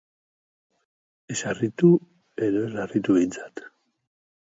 Ez harritu, edo ez larritu behintat.